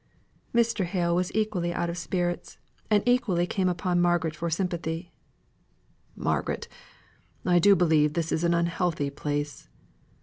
Mr. Hale was equally out of spirits, and equally came upon Margaret for sympathy. "Margaret, I do believe this is an unhealthy place.